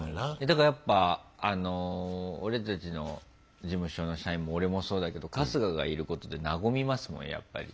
だからやっぱ俺たちの事務所の社員も俺もそうだけど春日がいることで和みますもんやっぱり。